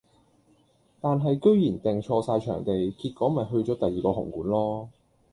但系居然訂錯曬場地，結果咪去咗第二個紅館囉